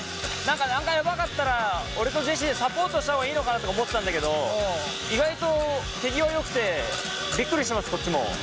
何かヤバかったら俺とジェシーでサポートした方がいいのかなとか思ってたんだけど意外と手際よくてびっくりしてますこっちも。